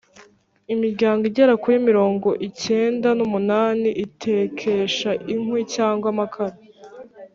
imiryango igera kuri mirongo iicyenda n’umunani itekesha inkwi cyangwa amakara.